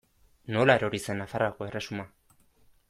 Nola erori zen Nafarroako erresuma?